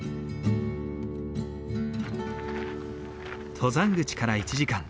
登山口から１時間。